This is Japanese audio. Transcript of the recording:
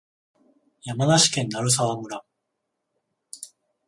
山梨県鳴沢村